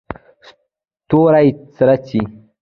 ستوري څرڅي.